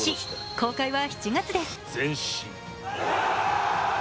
公開は７月です。